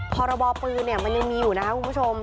พรบปืนมันยังมีอยู่นะครับคุณผู้ชม